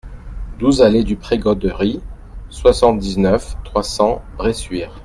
douze allée du Pré Goderie, soixante-dix-neuf, trois cents, Bressuire